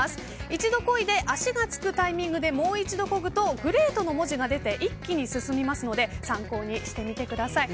一度こいで足がつくタイミングでもう一度こぐとＧｒｅａｔの文字が出て一気に進むので参考にしてみてください。